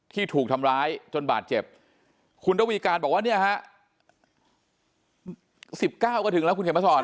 ที่ถูกทำร้ายจนบาดเจ็บคุณระวีการบอกว่าเนี่ยฮะ๑๙ก็ถึงแล้วคุณเขียนมาสอน